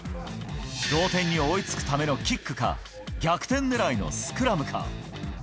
同点に追いつくためのキックか、逆転ねらいのスクラムか。